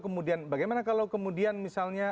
kemudian bagaimana kalau kemudian misalnya